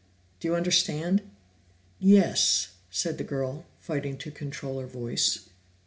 Do you understand?" "Y Yes," said the girl, fighting to control her voice.